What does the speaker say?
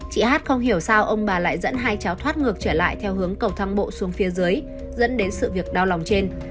chị hát không hiểu sao ông bà lại dẫn hai cháu thoát ngược trở lại theo hướng cầu thang bộ xuống phía dưới dẫn đến sự việc đau lòng trên